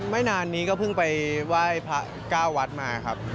ไม่นานนี้ก็เพิ่งไปไหว้พระเก้าวัดมาครับ